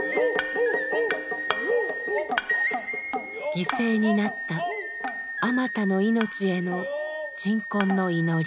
犠牲になった数多の命への鎮魂の祈り。